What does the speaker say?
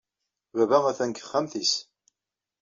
Baba atan deg texxamt-is.